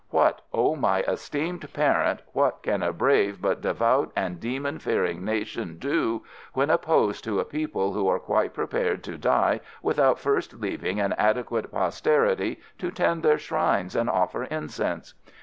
What, O my esteemed parent, what can a brave but devout and demon fearing nation do when opposed to a people who are quite prepared to die without first leaving an adequate posterity to tend their shrines and offer incense?